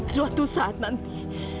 suatu saat nanti